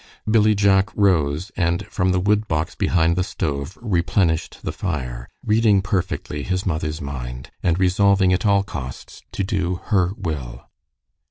Billy Jack rose, and from the wood box behind the stove, replenished the fire, reading perfectly his mother's mind, and resolving at all costs to do her will.